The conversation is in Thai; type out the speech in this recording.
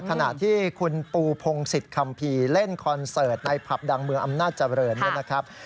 ขณะที่คุณปูพงศิษย์คัมภีร์เล่นคอนเสิร์ตในผับดังเมืองอำนาจเจริญเนี่ยนะครับ